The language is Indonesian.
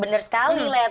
benar sekali let